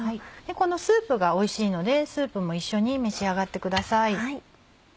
このスープがおいしいのでスープも一緒に召し上がってください。